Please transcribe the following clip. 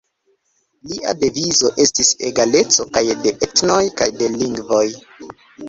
Lia devizo estis egaleco kaj de etnoj kaj de lingvoj.